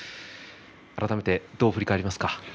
改めてどう振り返りますか。